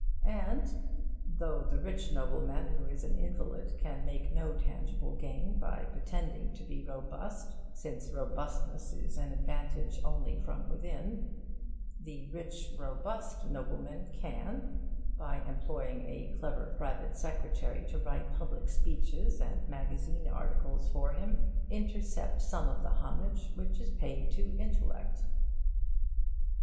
And (though the rich nobleman who is an invalid can make no tangible gain by pretending to be robust, since robustness is an advantage only from within) the rich, robust nobleman can, by employing a clever private secretary to write public speeches and magazine articles for him, intercept some of the homage which is paid to intellect.